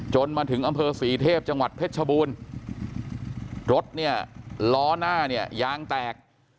จนถึงอำเภอศรีเทพจังหวัดเพชรชบูรณ์รถเนี่ยล้อหน้าเนี่ยยางแตก